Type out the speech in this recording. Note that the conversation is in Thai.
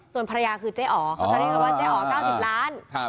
ส่วนภรรยาคือเจ๊อ๋อเขาจะเรียกกันว่าเจ๊อ๋อ๙๐ล้าน